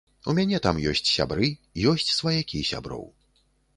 У мяне там ёсць сябры, ёсць сваякі сяброў.